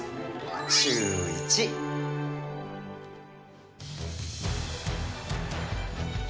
シューイチ。